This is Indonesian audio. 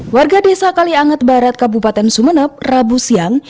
warga desa kalianget barat kabupaten sumeneb rabu siang